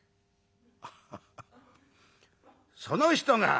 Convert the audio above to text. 「アハハその人が」。